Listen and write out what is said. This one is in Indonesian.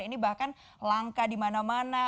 ini bahkan langka di mana mana